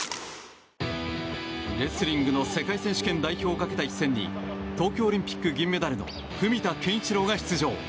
レスリングの世界選手権代表をかけた一戦に東京オリンピック銀メダルの文田健一郎が出場。